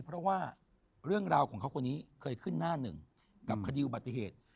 เพราะว่าเรื่องราวของเขาคนนี้เคยขึ้นหน้าหนึ่งกับคดีอุบัติเหตุ